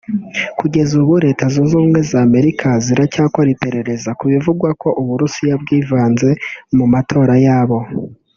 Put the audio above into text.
Kugeza ubu Leta Zunze Ubumwe za Amerika ziracyakora iperereza ku bivugwa ko u Burusiya bwivanze mu matora yabo